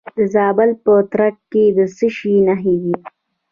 د زابل په ترنک کې د څه شي نښې دي؟